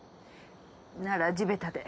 なら地べたで。